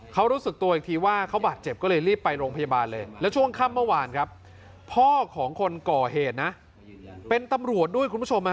เขารู้สึกตัวอีกทีว่าเขาบาดเจ็บก็เลยรีบไปโรงพยาบาลเลย